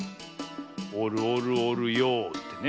おるおるおるよってね。